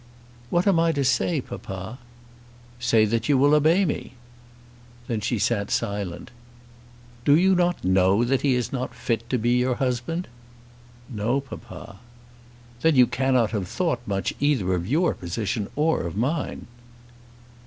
"What am I to say, papa?" "Say that you will obey me." Then she sat silent. "Do you not know that he is not fit to be your husband?" "No, papa." "Then you cannot have thought much either of your position or of mine."